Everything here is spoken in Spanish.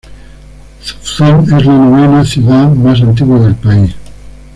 Zutphen es la novena ciudad más antigua del país.